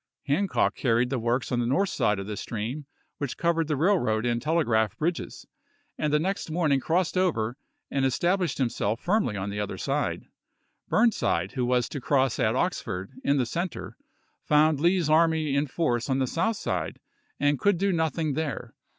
Hancock carried the works on the north side of the stream which covered the railroad and telegi'aph bridges, and the next morning crossed over and established himself 388 ABRAHAM LINCOLN SPOTSYLVANIA AND COLD HAKBOE 389 firmly on the other side. Bui'nside, who was to chap. xv. cross at Oxford, in the center, found Lee's army in force on the south side, and could do nothing there.